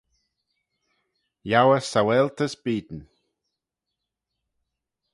Yiow eh saualtys beayn.